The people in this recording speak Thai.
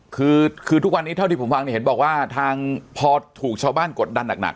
คือทุกวันนี้เท่าที่ผมฟังเนี่ยเห็นบอกว่าทางพอถูกชาวบ้านกดดันหนัก